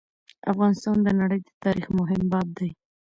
افغانستان د نړی د تاریخ مهم باب دی.